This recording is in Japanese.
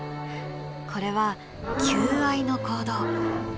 これは求愛の行動。